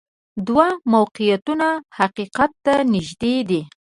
دوه موقعیتونه حقیقت ته نږدې دي.